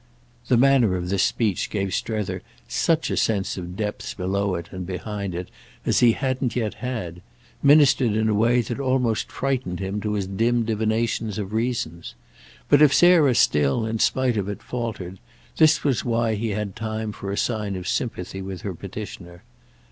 The manner of this speech gave Strether such a sense of depths below it and behind it as he hadn't yet had—ministered in a way that almost frightened him to his dim divinations of reasons; but if Sarah still, in spite of it, faltered, this was why he had time for a sign of sympathy with her petitioner.